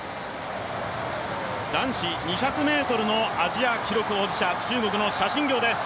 男子２００ｍのアジア記録保持者、中国の謝震業です。